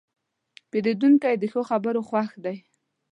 پیرودونکی د ښه خبرو خوښ دی.